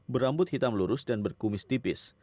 berambut hitam lurus dan berkumis tipis